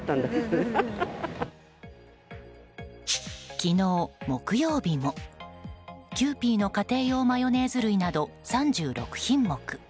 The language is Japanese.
昨日、木曜日もキユーピーの家庭用マヨネーズ類など３６品目。